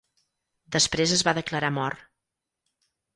Després es va declarar mort.